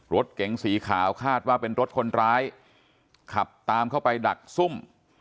รถเก๋งสีขาวคาดว่าเป็นรถคนร้ายขับตามเข้าไปดักซุ่ม